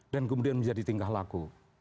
dan kemudian menjadi tingkah laku